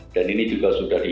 dan ini juga sudah dihibu